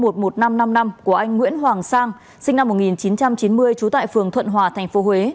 của anh nguyễn hoàng sang sinh năm một nghìn chín trăm chín mươi trú tại phường thuận hòa thành phố huế